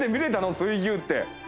水牛って。